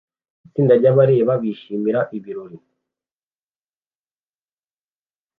Itsinda ryabareba bishimira ibirori